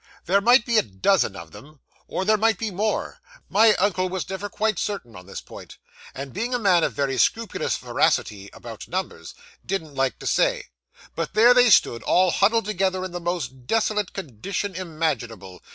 'There might be a dozen of them, or there might be more my uncle was never quite certain on this point, and being a man of very scrupulous veracity about numbers, didn't like to say but there they stood, all huddled together in the most desolate condition imaginable.